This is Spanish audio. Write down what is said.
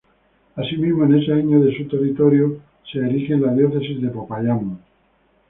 Asimismo en ese año de su territorio se erige la diócesis de Popayán.